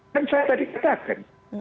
dan saya tadi katakan